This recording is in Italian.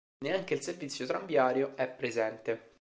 Neanche il servizio tranviario è presente.